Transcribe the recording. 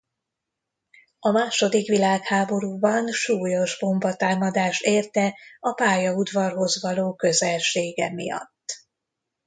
A második világháborúban súlyos bombatámadás érte a pályaudvarhoz való közelsége miatt.